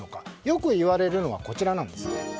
よく言われるのはこちらです。